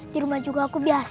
di rumah juga aku biasa